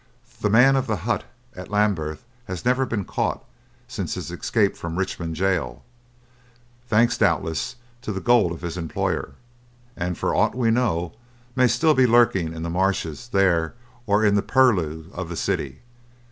The man of the hut at Lambeth has never been caught since his escape from Richmond Jail thanks, doubtless, to the gold of his employer and, for aught we know, may still be lurking in the marshes there, or in the purlieus of the city.